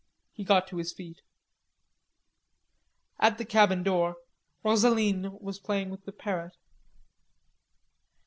He got to his feet. At the cabin door, Rosaline was playing with the parrot.